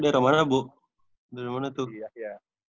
dari mana bu dari mana tuh